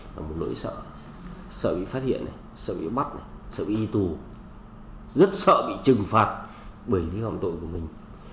là một nỗi sợ sợ bị phát hiện sợ bị bắt sợ bị y tù rất sợ bị trừng phạt bởi những hòng tội của mình